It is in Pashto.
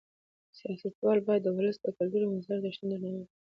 سیاستوال باید د ولس د کلتور او مذهبي ارزښتونو درناوی وکړي.